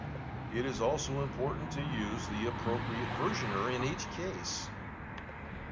It is also important to use the appropriate versioner in each case.